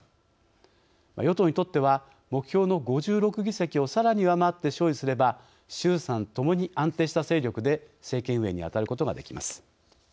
与党にとっては目標の５６議席をさらに上回って勝利すれば衆参ともに安定した勢力で政権運営に当たることができます。